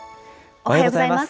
おはようございます。